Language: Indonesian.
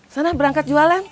sana berangkat jualan